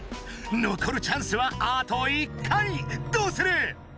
のこるチャンスはあと１回どうする？